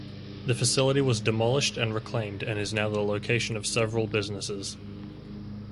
The facility was demolished and reclaimed and is now the location of several businesses.